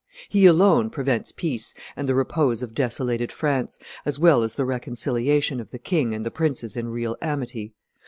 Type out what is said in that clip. He alone prevents peace and the repose of desolated France, as well as the reconciliation of the king and the princes in real amity.